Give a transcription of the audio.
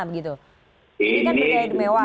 ini kan bergaya demewa